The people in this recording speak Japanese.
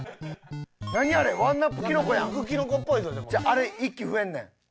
あれ１機増えんねん。